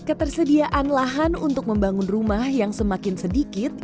ketersediaan lahan untuk membangun rumah yang semakin sedikit